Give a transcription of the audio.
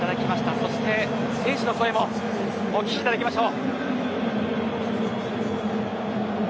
そして選手の声もお聞きいただきましょう。